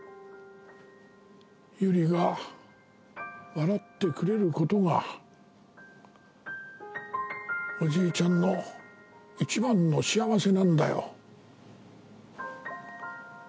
百合が笑ってくれることがおじいちゃんの一番の幸せなんだよ。